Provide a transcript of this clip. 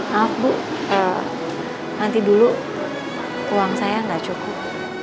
maaf bu nanti dulu uang saya nggak cukup